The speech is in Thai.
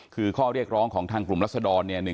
คือค้อเรียกร้องของทางกลุ่มลัชฎรณ